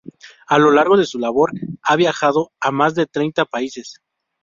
A lo largo de su labor, ha viajado a más de treinta países.